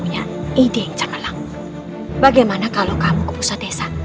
yang cermelang bagaimana kalau kamu ke pusat desa